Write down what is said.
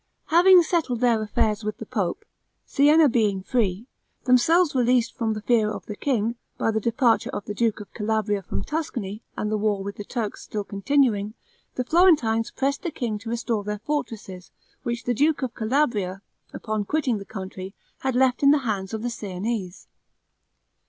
Having settled their affairs with the pope, Sienna being free, themselves released from the fear of the king, by the departure of the duke of Calabria from Tuscany, and the war with the Turks still continuing, the Florentines pressed the king to restore their fortresses, which the duke of Calabria, upon quitting the country, had left in the hands of the Siennese.